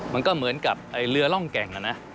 มันก็เหมือนกับเรือร่องแก่งนะ